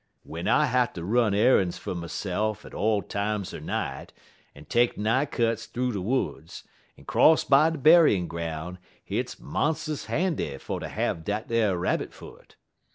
W'en I hatter run er'n's fer myse'f all times er night, en take nigh cuts thoo de woods, en 'cross by de buryin' groun', hits monst'us handy fer ter have dat ar rabbit foot.